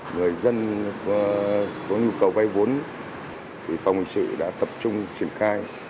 người dân có nhu cầu vay vốn thì phòng hình sự đã tập trung triển khai